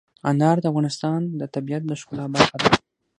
انار د افغانستان د طبیعت د ښکلا برخه ده.